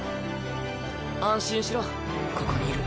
安心しろここにいる。